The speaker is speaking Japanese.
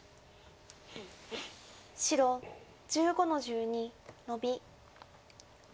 白１５の十二ノビ。